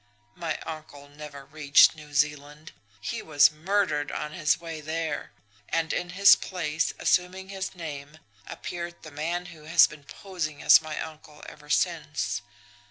My uncle never reached New Zealand. He was murdered on his way there. And in his place, assuming his name, appeared the man who has been posing as my uncle ever since.